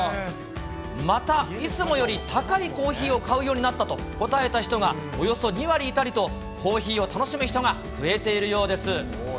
またいつもより高いコーヒーを買うようになったと答えた人がおよそ２割いたりとコーヒーを楽しむ人が増えているようです。